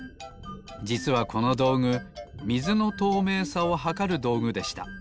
じつはこのどうぐみずのとうめいさをはかるどうぐでした。